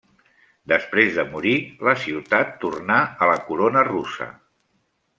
Després de morir, la ciutat tornà a la corona russa.